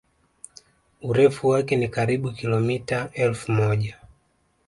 Urefu wake ni karibu kilomIta elfu moja